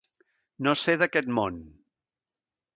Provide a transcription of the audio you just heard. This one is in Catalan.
No ser d'aquest món.